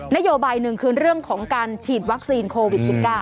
นโยบายหนึ่งคือเรื่องของการฉีดวัคซีนโควิด๑๙